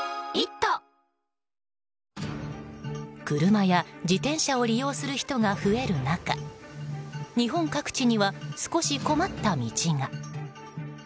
車や自転車を利用する人が増える中日本各地には少し困った道が。